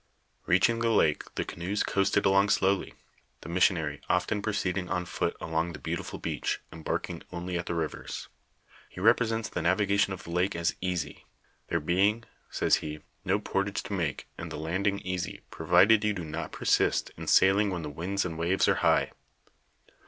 Eeacliing the lake, the canoes coasted along slowly, the missionary often proceeding on foot along the beantiful beach, embarking only at the rivers. He represents the navigation of the lake as easy ;" there being," says lie, " no portage to make, and the landing easy, provided yon do not persist in sailing when the winds and waves are high."